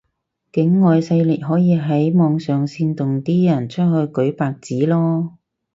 境外勢力可以喺網上煽動啲人出去舉白紙囉